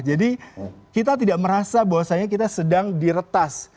jadi kita tidak merasa bahwasanya kita sedang diretas